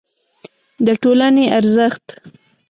د ټولنې ارزښت